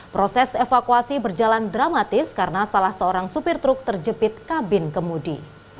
proses evakuasi berjalan dramatis karena salah seorang supir truk terjepit kabin kemudi